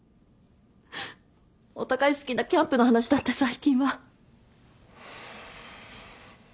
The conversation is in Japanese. お互い好きなキャンプの話だって最近は。